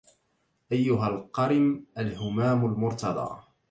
أيها القرم الهمام المرتضى